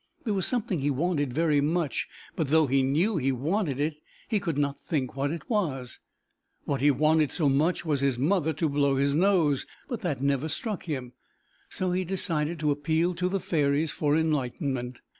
There was something he wanted very much, but, though he knew he wanted it, he could not think what it was. What he wanted so much was his mother to blow his nose, but that never struck him, so he decided to appeal to the fairies for enlightenment.